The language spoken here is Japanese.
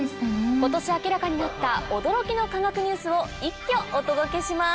今年明らかになった驚きの科学ニュースを一挙お届けします。